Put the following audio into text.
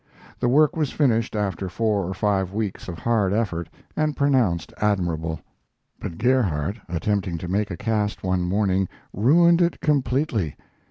The work was finished after four or five weeks of hard effort and pronounced admirable; but Gerhardt, attempting to make a cast one morning, ruined it completely.